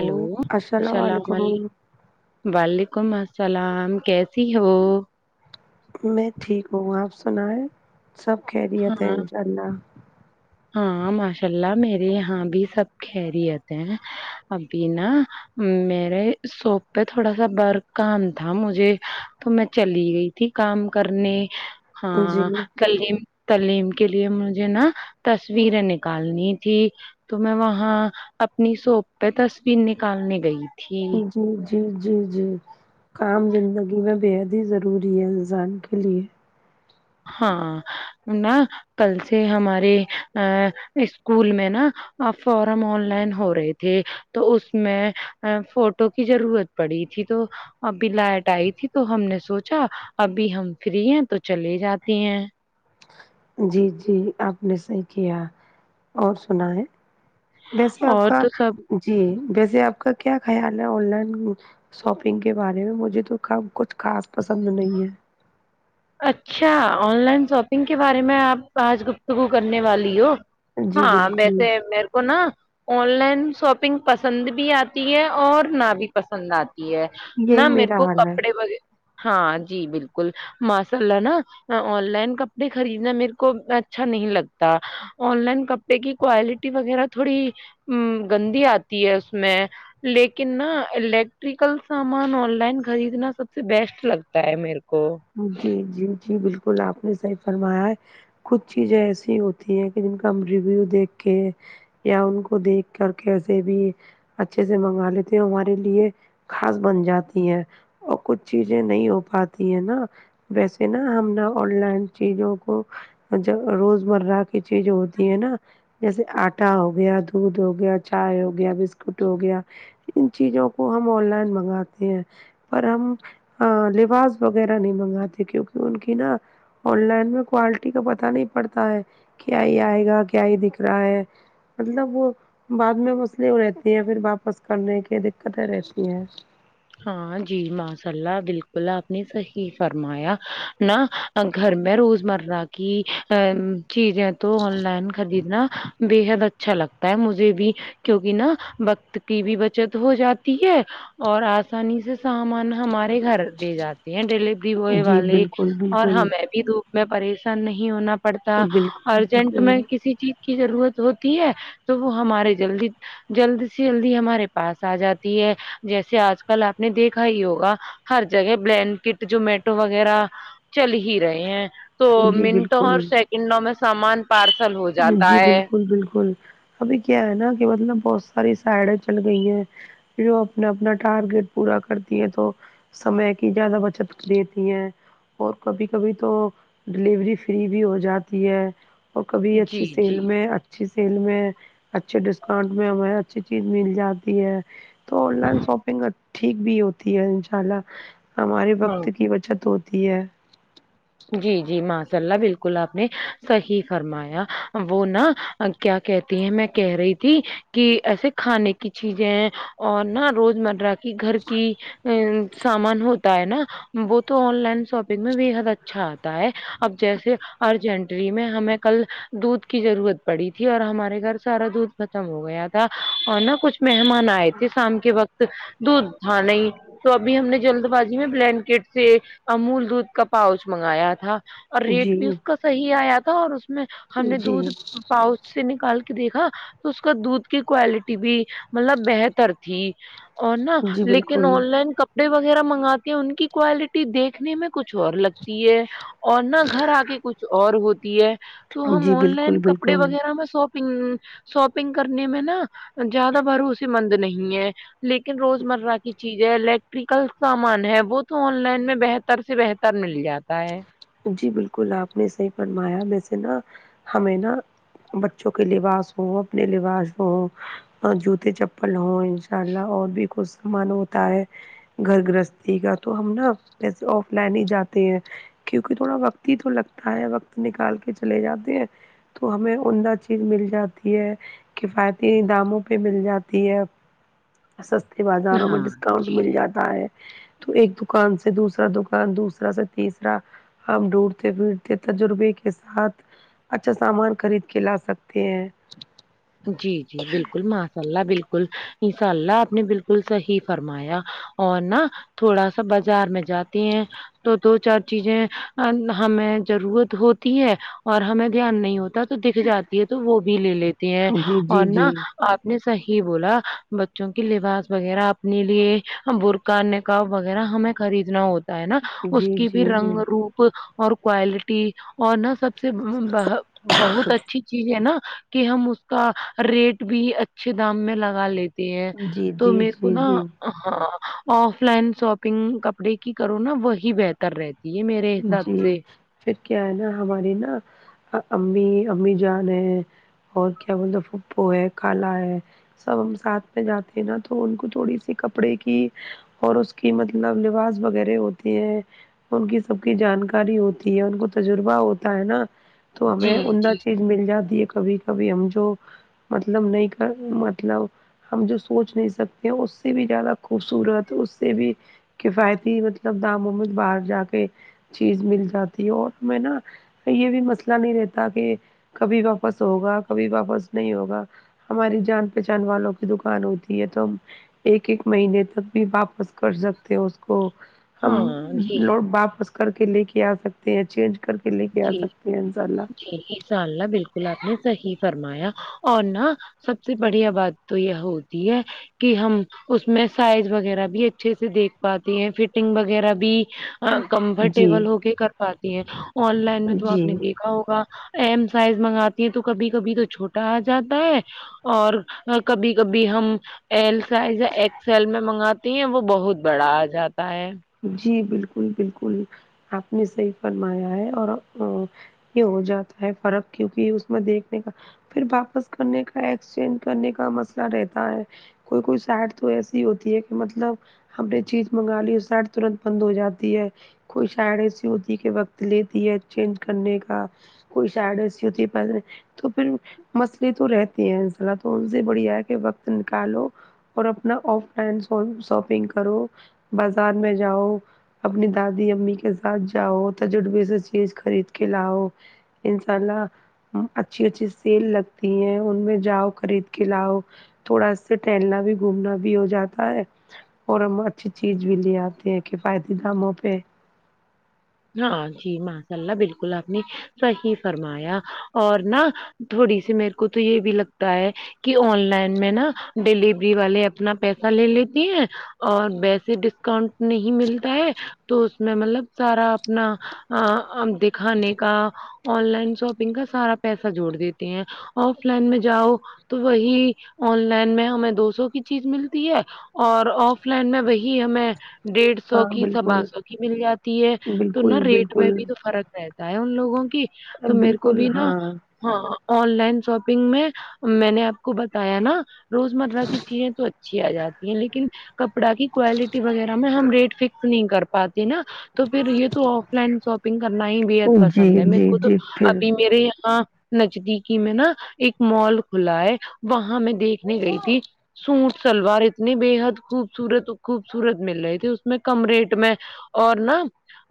او سلام علیکم وعلیکم السلام کیسی ہو میں ٹھیک ہوں آپ سنا ہے سب خیریت ہے ہاں انشاء اللہ ہاں ماشاء اللہ میرے یہاں بھی سب خیریت ہیں ابھی نا میرے سوپ پہ تھوڑا سا بر کام تھا مجھے تو میں چلی گئی تھی تھی کام کرنے جی ہاں کلیم تلیم کے لیے مجھے نا تصویریں نکالنی تھی تو میں وہاں اپنی سوپ پہ تصویر نکالنے گئی تھی جی جی جی جی کام زندگی میں بےحد ہی ضروری ہے انسان کے لیے ہاں نہ کل سے ہمارے ا اسکول میں نا اب فارم آن لائن ہو رہے تھے تو اس میں فوٹو کی ضرورت پڑی تھی تو ابھی لائٹ آئی تھی تو ہم نے سوچا ابھی ہم فری ہیں تو چلے جاتے ہیں جی جی آپ نے صحیح کیا اور سنا ہے ویسے آپ اور کا تو سب جی ویسے آپ کا کیا خیال ہے آن لائن شاپنگ کے بارے میں مجھے تو کچھ خاص پسند نہیں ہے اچھا آن لائن شاپنگ کے بارے میں آپ آج گفتگو کرنے والی ہو جی ہاں میں بالکل سے مر کو نا آن لائن شاپنگ پسند بھی آتی ہے اور نہ بھی پسند آتی ہے یہی نہ میرے میرا کو حال ہے کپڑے وغ ہاں جی بالکل ماشاء اللہ نا آن لائن کپڑے خریدنا میرے کو اچھا نہیں لگتا آن لائن کپ ڈے کوالٹی وغیرہ تھوڑی گندی آتی ہے اس میں لیکن نا الیکٹریکل سامان آن لائن خریدنا سب سے بیسٹ لگتا ہے میرے کو جی جی جی بالکل آپ نے صحیح فرمایا ہے کچھ چیزیں ایسی ہوتی ہیں کہ جن کا ہم ریویو دیکھ کے یا ان کو دیکھ کر کیسے بھی اچھے سے منگا لیتے ہے وہ ہمارے لیے خاص بن جاتی ہے اور کچھ چیزیں نہیں ہو پاتی ہے نا ویسے نا ہم نے آن لائن چیزوں کو جب روزمرہ کی چیز ہوتی ہے نا جیسے آٹا ہو گیا دودھ ہو گیا چائے ہو گیا بسکٹ ہو گیا ان چیزوں کو ہم آن لائن منگاتے ہیں پر ہم لباس وغیرہ نیں منگاتے کیونکہ ان کی نا آن لائن میں کوالٹی کا پتا نہیں پڑتا ہے کیا ہی آئے گا کیا ہی دکھ رہا ہے مطلب وہ بعد میں مسلے ہو رہتی ہیں پھر واپس کرنے کی دکتیں رہتی ہیں ہاں جی ماشاء اللہ بالکل آپ نے صحیح فرمایا نہ گھر میں روز مرہ کی ا چیزیں تو آن لائن خریدنا بےحد اچ اچھا لگتا ہے مجھے بھی کیونکہ نا وقت کی بھی بچت ہو جاتی ہے اور آسانی سے سامان ہمارے گھر دے جاتے ہیں ڈیلیوری ہوئے جی والے بالکل اور بالکل ہمیں بھی دو میں پریشان نہیں ہونا پڑتا بالکل ارجنٹ بالکل میں کسی چیز کی ضرورت ہوتی ہے تو وہ ہمارے جلدی جلدی سے جلدی ہمارے پاس آ جاتی ہے جیسے آج کل آپ نے دیکھا ہی ہوگا ہر جگہ بلینکٹ جمعٹو وغیرہ چل ہی رہے ہیں تو جی منٹوں اور بالکل سیکنڈوں میں سامان پارسل ہو جاتا جی ہے بالکل بالکل ابھی کیا ہے نا کہ مطلب بہت ساری سائڈیں چل گئی ہیں پھر وہ اپنا اپنا ٹارگیٹ پورا کرتی ہیں تو سمے کی زیادہ بچت دیتی ہے اور کبھی کبھی تو ڈلیوری فری بھی ہو جاتی ہے اور کبھی جی اچھی سیل جی میں اچ اچھی سیل میں اچھے ڈسکاؤنٹ میں ہمیں اچھی چیز مل جاتی ہے تو آن لائن شاپنگ ٹھیک بھی ہوتی ہے ان شاء اللہ ہمارے ہاں وقت کی بچت ہوتی ہے جی جی ماشاء اللہ بالکل آپ نے صحیح فرمایا وہ نا کیا کہتی ہیں میں کہہ رہی تھی کہ ایسے کھانے کی چیزیں ہیں اور نا روز مرہ گھر کی ا سامان ہوتا ہے نا وہ تو آن لائن شاپنگ میں بےحد اچ اچھا آتا ہے اب جیسے ارجینٹری میں ہمیں کل دودھ کی ضرورت پڑی تھی اور ہمارے گھر سارا دودھ ختم ہو گیا تھا اور نا کچھ مہمان آئے تھے شام کے وقت دودھ تھا نی تو ابھی ہم نے جلد بازی میں بلینکٹ سے امول دودھ کا پاؤچ منگایا تھا اور ریٹ جی بھی اس کا صحیح آیا تھا اور اس میں ہم نے جی دودھ پاؤس سے نکال کے دیکھا تو اس کا دودھ کی کوالٹی بھی ملب بہتر تھی اور نا جی لیکن بالکل آن لائن کپڑے وغیرہ منگاتے ہیں ان کی کوالٹی دیکھنے میں کچھ اور ہے اور نہ گھر آ کے کچھ اور ہوتی ہے تو ہم جی آن بالکل لائن کپڑے بالکل وغیرہ شاپنگ شاپنگ کرنے میں نا زیادہ بھروسے مند مند نہیں ہے لیکن روزمرہ کی چیز ہے لے یکل سامان ہے وہ تو آن لائن میں بہتر سے بہتر مل جاتا ہے جی بالکل آپ نے صحیح فرمایا ویسے نا ہمیں نا بچوں کے لباس ہوں اپنے لباس ہوں اور جوتے چپل ہوں ان شاء اللہ اور بھی کچھ سامان ہوتا ہے گھر گرہستی کا تو ہم نا جسے آف لائن ہی جاتے ہیں کیونکہ تھوڑا وقت ہی تو لگتا ہے وقت نکال کے چلے جاتے ہیں تو ہمیں عمدہ چیز مل جاتی ہے کفایتی داموں پہ مل جاتی ہے سستے بازاروں میں ہاں ڈسکاؤنٹ جی مل جاتا تو ایک دکان سے دوسرا دکان دوسرا سے تیسرا را ہم ڈھونڈتے پھرتے تجربے کے ساتھ اچھا سامان خرید کے لا سکتے ہیں جی جی بالکل معف ان اللہ بالکل انساء اللہ آپ نے بالکل صحیح فرمایا اور نا تھوڑا سا بازار میں جاتی ہیں تو دو چار چیزیں ہمیں ضرورت ہوتی ہے اور ہمیں دھیان نہیں ہوتا تو دکھ جاتی ہے تو وہ بھی لے لیتے ہیں جی جی اور جی نا آپ نے صحیح بولا بچوں کی لباس وغیرہ اپنے لیے بو کنے کاؤ وغیرہ ہمیں خریدنا ہوتا ہے نا اس جی جی کی جی بھی رنگ روپ اور کوالٹی اور نا سب بہت اچھی چیز ہے نا کہ ہم اس اس کا ریٹ بھی اچھے دام میں لگا لیتے ہیں تو جی میرے کو جی نا جی ہاں آف لائن شاپنگ کپڑے کی کرو نا وہی بہتر رہتی ہے میرے حساب جی سے پھر کیا ہے نا ہماری نا امی امی جان ہے اور کیا بولتا پھپھو ہے کھالا ہے سب ہم ساتھ میں جاتے ہیں نا تو ان کو تھوڑی سی کپڑے کی اور اس کی مطلب لباس وغیرہ ہوتی ہیں ان کی سب کی جانکاری ہوتی ہے ان کو تجربہ ہوتا ہے نا تو جی ہمیں عمدہ جی چیز مل جاتی ہے کبھی کبھی ہم جو مطلب نہیں کر مطلب ہم جو سوچ نہیں سکتے ہیں اس سے بھی زیادہ خوبصورت اس سے بھی کفایتی مطلب دام مومد باہر جا کے چیز مل جاتی ہے اور میں نا یہ بھی مسئلہ نہیں رہتا کہ کبھی واپس ہوگا کبھی واپس نہیں ہوگا ہماری جان پہچان والوں کی دکان ہوتی ہے تو ہم ایک ایک مہینے تک بھی واپس کر سکتے ہو اس کو ہم ہاں جی لوٹ واپس کر کے لے کے آ سکتے ہیں چینج کر کے لے کے آ جی سکتے ہیں انشاء اللہ جی انشاء اللہ بالکل آپ نے صحیح فرمایا اور نا سب سے بڑھیا بات تو یہ ہوتی ہے کہ ہم اس میں سائز وغیرہ بھی اچھے سے دیکھ پاتے ہیں فٹنگ وغیرہ بھی جی کمفرٹیبل ہو کے کر پاتی ہے آن لائن میں تو آپ جی نے دیکھ ہوگا ایم سائز منگاتی ہیں تو کبھی کبھی تو چھوٹا آ جاتا ہے اور کبھی کبھی ہم ایل سائز ایکسل میں منگاتی ہیں وہ بہت بڑا آ جاتا ہے جی بالکل بالکل آپ نے صحیح فرمایا ہے اور اب یہ ہو جاتا ہے فرق کیونکہ اس میں دیکھنے کا پھر واپس کرنے کا ایکسچینج کرنے کا مسئلہ رہتا ہے کوئی کوئی سٹ تو ایسی ہوتی ہے کہ مطلب ہم نے چیز منگا لی سٹ ترنت بند ہو جاتی ہے کوئی ساںیڈ ایسی ہوتی کہ وقت لیتی ہے چینج کرنے کا کوئی ساڈ ایسی ہوتی پہلے تو پھر مسئلے تو رہتے ہیں انس تو ان سے بڑھیا کہ وقت نکالو اور اپنا آف لائن شاپنگ کرو بازار میں جاؤ اپنی دادی امی کے ساتھ جاؤ تجربہ سے چیز خرید کے لاؤ انشاء اللہ اچھی اچھی سیل لگتی ہیں ان میں جاؤ خرید کے لاؤ تھوڑا اسے ٹہلنا بھی گھومنا بھی ہو جاتا ہے اور اماں نہ اچھی چیز بھی لے آتے یہ کفایتی داموں پہ ہاں جی ماشاء اللہ بالکل آپ نے صحیح فرمایا اور نا تھوڑی سی میرے کو تو یہ بھی لگتا ہے کہ آن لائن میں نا ڈیلیوری والے اپنا پیسہ لے لیتی ہیں اور ویسے ڈسکاؤنٹ نہیں ملتا ہے تو اس میں مطلب سارا اپنا آ دکھانے کا آن لائن شاپنگ کا سارا پیسہ جوڑ دیتے ہیں آف لائن میں جاؤ تو وہی آن لائن میں ہمیں دو سو کی چیز ملتی ہے اور آف لائن میں وہی ہمیں ڈیڑھ سو ہاں کی سبا بالکل سو کی مل جاتی ہے تو نہ بالکل ریٹ میں بالکل بھی تو فرق رہتا ہے ان لوگوں کی تو میرے کو بالکل بھی نا ہاں ہاں آن لائن شاپنگ میں میں نے آپ کو بتایا نا روزمرہ کی چیزیں تو اچھی آ جاتی ہیں لیکن کپڑا کی کوالٹی وغیرہ میں ہم ریٹ فکس نہیں کر پاتے نا تو پھر یہ تو آف لائن شاپنگ کرنا ہی بے حد جی پسند ہے میرے جی کو تو جی پھر ابھی میرے یہاں نجدیکی میں نا ایک مال کھلا ہے وہاں میں دیکھنے گئی تھی سوٹ سلوار اتنی بے حد خوبصورت خوبصورت مل رہے تھے اس میں کم ریٹ میں اور نہ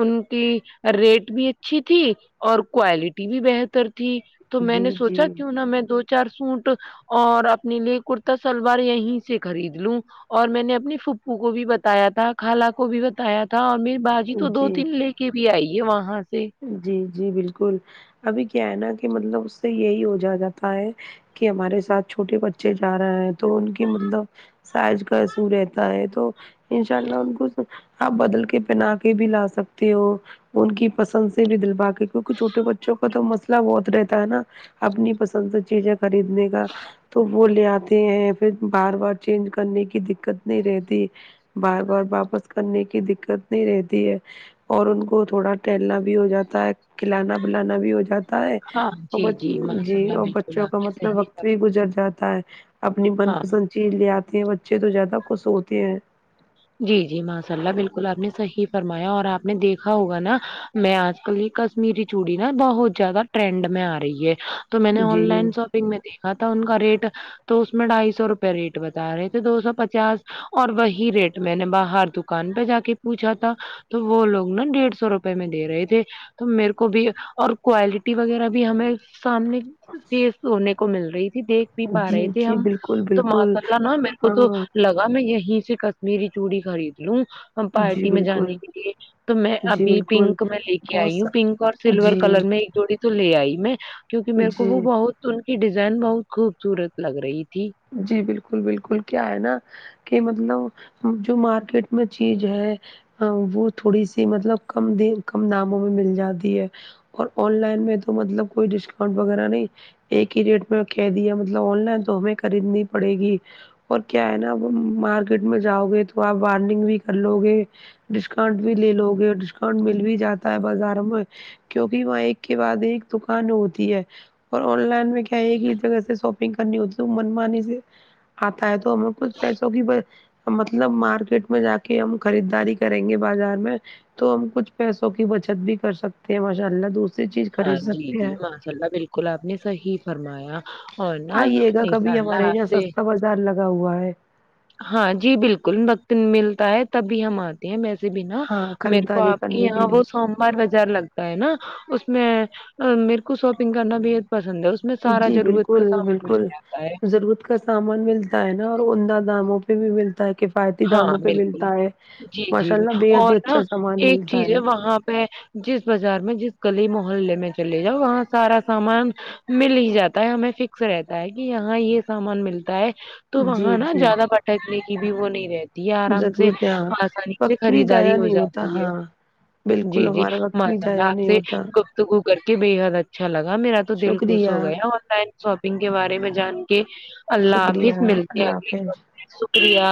ان کی ریٹ بھی اچھی تھی اور کوالٹی بھی بہتر تھی تو میں نے جی جی سوچا کیوں نہ میں دو چار سوٹ اور اپنے لیے کرتا سلوار یہیں سے خرید لوں اور میں نے اپنی پھوپھو کو بھی بتایا تھا خالہ کو بھی بتایا تھا اور میر باجی تو دو جی تین لے کے بھی آئی ہے وہاں سے جی جی بالکل ابھی کیا ہے نا کہ مطلب اس سے یہی ہو جا جاتا ہے کہ ہمارے ساتھ چھوٹے بچے جا رہے ہیں تو ان کی مطلب سایج کاایسو رہتا ہے تو انشاء اللہ ان کو آپ بدل کے پہنا کے بھی لا سکتے ہو ان کی پسند سے بھی دل با کی کو کیونک چھوٹے بچوں کا تو مسئلہ بہت رہتا ہے نا اپنی پسند سے چیزیں خریدنے کا تو وہ لے آ تے ہیں پھر بار بار چینج کرنے کی دکت نہیں رہتی بار بار واپس کرنے کی دکت نہیں رہتی ہے اور ان کو تھوڑا ٹہلنا بھی ہو جاتا ہے کھلانا پلانا بھی ہو جاتا تا ہے ہاں جی ماشاء جی اللہ اور بالکل بچوں کا آپ نے مطلب صحیح کہا۔ وقت بھی گزر جاتا ہے اپنی من ہاں پسند چیز لے آتے ہیں بچے تو زیادہ خوش ہوتے ہیں جی جی ماشاء اللہ بالکل آپ نے صحیح فرمایا اور آپ نے دیکھا ہوگا نا میں آج کل یہ کشمیری چوڑی نا بہت زیادہ ٹرنڈ میں آ رہی ہے تو میں نے آن جی لائن شاپ میں دیکھا تھا ان کا ریٹ تو اس میں ڈھائی سو روپئے ریٹ بتا رہے تھے دو سو پچاس اور وہی ریٹ میں نے باہر دکان پہ جا کے پوچھا تھا تو وہ لوگ نا ڈیڑھ سو روپے میں دے رہے تھے تو میرے کو بھی اور کوالٹی وغیرہ بھی ہمیں سامنے فس ہونے کو مل رہی تھی دیکھ بھی پا جی رہے تھے جی ہم بالکل تو بالکل ماشاءلہ نہ میرے کو تو ہاں لگ میں یہیں سے کشمیری چوڑی خرید لوں ہم جی پارٹی میں جانے بالکل کے لیے تو میں جی ابھی بالکل پنک میں لے کے بہت آئی ہوں سا پنک اور سلور جی کلر میں ایک جوڑی تو لے آئی میں کیوںکہ میرے کو وہ جی بہت ان کی ڈیزائن بہت خوبصورت لگ رہی تھی جی بالکل بالکل کیا ہے نا کہ مطلب جو مارکیٹ میں چیز ہے وہ تھوڑی سی مطلب کم د کم داموں میں مل جاتی ہے اور آن لائن میں تو مطلب کوئی ڈسکاؤنٹ وغیرہ نہیں ایک ہی ریٹ میں کہ دیا مطلب آن لائن تو ہمیں خریدنی پڑے گی اور کیا ہے نا مارکیٹ میں جاؤ گے تو آپ بارننگ بھی کر لو گے ڈسکاؤنٹ بھی لے لو گے ڈسکاؤنٹ مل بھی جاتا ہے بازاروں میں کیونکہ وہاں ایک کے بعد ایک دکان ہوتی ہے اور آن لائن میں کیا ہے ایک ہی جگہ سے شاپنگ کرنی ہوتی منمانی سے آتا ہے تو ہمیں کچھ پیسوں کی مطلب مارکیٹ میں جا کے ہم خریداری کریں گے بازار میں تو ہم کچھ پیسوں کی بچت بھی کر سکتے ہیں ماشاء اللہ دوسری چیز خرید سکتے ہیں لہ بالکل آپ نے صحیح فرمایا اور نا آئیے گا انشاء کبھی اللہ ہمارے آپ یہاں سے سستا بازار لگا ہوا ہے ہاں جی بالکل وقت ملتا ہے تبھی ہم آتے ویسے بھی نا ہاں میرے کو خریداری آپ کے کرنے یہاں وہ لیے سوموار بازار لگتا ہے نا اس میں میرے کو شاپنگ کرنا بے حد پسند ہے اس میں سارا جی ضرورت کا بالکل سامان مل بالکل جاتا ہے ضرورت کا سامان ملتا ہے نا اور عمدہ داموں پہ بھی ملتا کفایتی ہاں داموں پہ بالکل ملتا ہے جی جی ماشاء اللہ بےحد ہی اور نا اچھا سامان ایک ملتا چیز ہے وہاں پہ جس بازار میں جس گلی محلے میں چلے جؤ وہاں سارا سامان مل ہی جاتا ہے ہمیں فکس رہتا ہے کہ یہاں یہ سامان ملتا ہے تو وہاں جی نا جی زیادہ بھٹکنے کی بھی وہ نہیں آرام سے ضرورت ہے ہاں آسانی سے وقت بھی خریداری ضائع ہو نہیں ہوتا جاتی ہے ہاں جی بالکل جی ہمارا وقت بھی ماشاء ضائع اللہ آپ نہیں سے ہوتا گفتگو کر کے بے حد اچھا لگا میرا تو دل خوش شکریہ ہو گیا آن لائن شاپنگ کے بارے میں جان کے اللہ شکریہ حافظ ملتے اللہ اگلی حافظ کال پے شکریہ